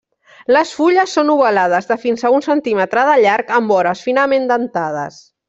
Les fulles són ovalades, de fins a un centímetre de llarg amb vores finament dentades.